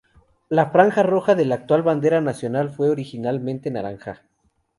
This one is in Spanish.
La franja roja de la actual bandera nacional fue originalmente naranja.